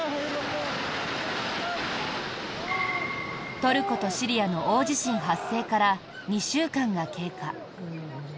トルコとシリアの大地震発生から２週間が経過。